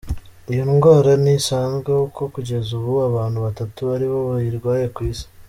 Iyo ndwara ntisanzwe kuko kugeza ubu abantu batatu ari bo bayirwaye ku isi.